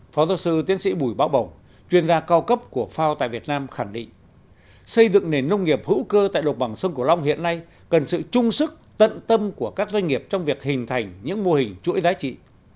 phó giáo sư tiến sĩ bùi báo bổng chuyên gia cao cấp của fao tại việt nam khẳng định xây dựng nền nông nghiệp hữu cơ tại đồng bằng sông cửu long hiện nay cần sự trung sức tận tâm của các doanh nghiệp trong việc hình thành những mô hình chuỗi giá trị